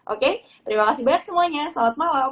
oke terima kasih banyak semuanya selamat malam